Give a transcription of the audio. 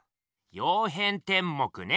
「曜変天目」ね！